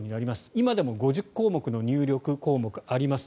今でも５０項目の入力項目があります。